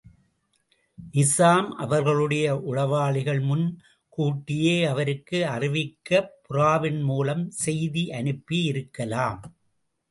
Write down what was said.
நிசாம் அவர்களுடைய உளவாளிகள் முன் கூட்டியே அவருக்கு அறிவிக்கப் புறாவின்மூலம் செய்தியனுப்பியிருக்கலாம்.